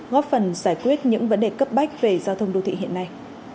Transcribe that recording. góp phần giải quyết những vấn đề cấp bách về giao thông đô thị hiện nay